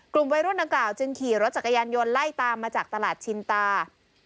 กลุ่มวัยรุ่นดังกล่าวจึงขี่รถจักรยานยนต์ไล่ตามมาจากตลาดชินตา